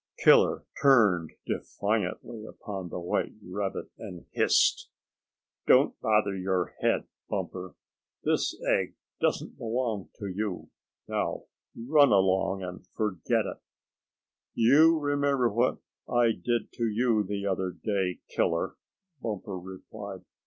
Killer turned defiantly upon the white rabbit, and hissed: "Don't bother your head, Bumper. This egg doesn't belong to you. Now run along, and forget it." "You remember what I did to you the other day, Killer," Bumper replied.